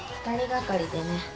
２人がかりでね。